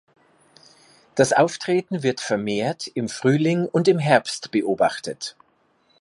Das Auftreten wird vermehrt im Frühling und im Herbst beobachtet.